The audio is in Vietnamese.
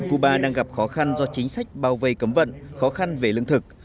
cuba đang gặp khó khăn do chính sách bao vây cấm vận khó khăn về lương thực